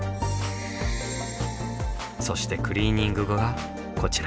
そしてクリーニング後がこちら。